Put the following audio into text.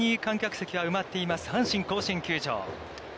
もういっぱいに観客席は埋まっています阪神甲子園球場。